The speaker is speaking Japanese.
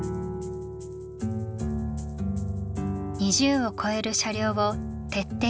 ２０を超える車両を徹底的に比較。